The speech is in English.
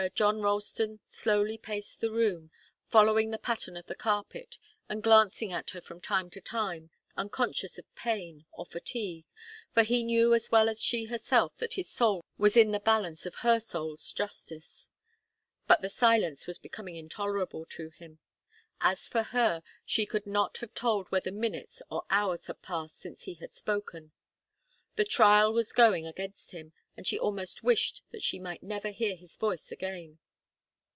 142.] John Ralston slowly paced the room, following the pattern of the carpet, and glancing at her from time to time, unconscious of pain or fatigue, for he knew as well as she herself that his soul was in the balance of her soul's justice. But the silence was becoming intolerable to him. As for her, she could not have told whether minutes or hours had passed since he had spoken. The trial was going against him, and she almost wished that she might never hear his voice again.